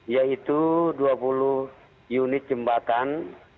yaitu dua puluh unit jembatan